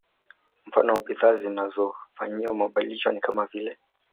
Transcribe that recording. Mfano wa bidhaa zilizofanyiwa mabadilishano ni kama vile